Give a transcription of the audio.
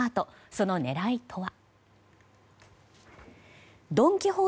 その狙いとは？